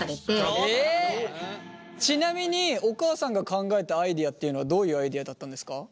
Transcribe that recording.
ちなみにお母さんが考えたアイデアっていうのはどういうアイデアだったんですか？